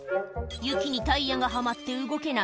雪にタイヤがはまって動けない？」